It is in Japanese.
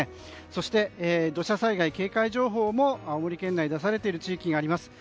そして、土砂災害警戒情報も青森県内出されている地域があります。